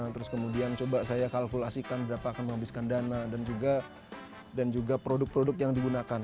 terus kemudian coba saya kalkulasikan berapa akan menghabiskan dana dan juga produk produk yang digunakan